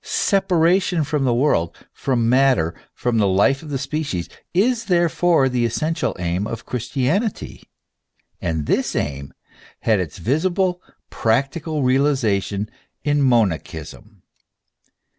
Separa tion from the world, from matter, from the life of the species, is therefore the essential aim of Christianity.* And this aim had its visible, practical realization in Monachism.